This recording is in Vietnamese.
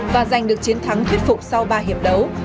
và giành được chiến thắng thuyết phục sau ba hiệp đấu